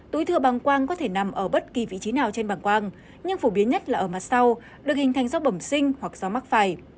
túi thừa bàng quang có thể nằm ở bất kỳ vị trí nào trên bảng quang nhưng phổ biến nhất là ở mặt sau được hình thành do bẩm sinh hoặc do mắc phải